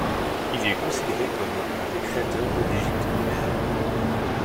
Il est considéré comme un des créateurs de l'Égypte moderne.